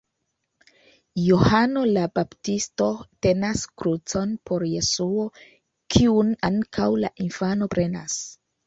Johano la Baptisto tenas krucon por Jesuo, kiun ankaŭ la infano prenas.